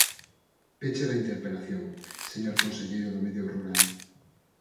Peche da interpelación, señor conselleiro do Medio Rural.